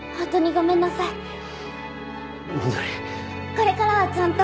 これからはちゃんと。